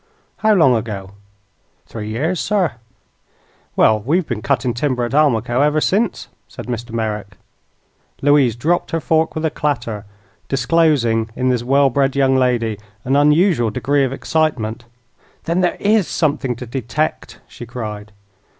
"How long ago?" "Three years, sir." "Well, we've been cutting timber at Almaquo ever since," said Mr. Merrick. Louise dropped her fork with a clatter, disclosing, in this well bred young lady, an unusual degree of excitement. "Then there is something to detect!" she cried.